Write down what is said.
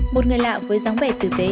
một người lạ với dáng vẻ tử tế